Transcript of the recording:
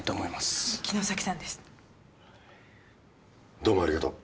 どうもありがとう。